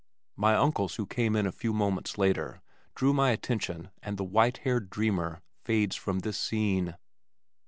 My uncles who came in a few moments later drew my attention and the white haired dreamer fades from this scene.